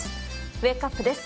ウェークアップです。